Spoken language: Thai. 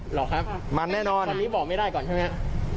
หรอครับตอนนี้บอกไม่ได้ก่อนใช่ไหมฮะ